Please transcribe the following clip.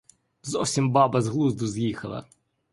Зовсім баба з глузду з'їхала.